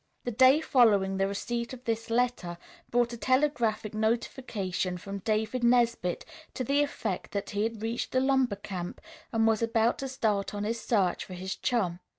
The day following the receipt of this letter brought a telegraphic notification from David Nesbit to the effect that he had reached the lumber camp and was about to start on his search for his chum.